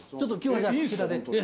はい。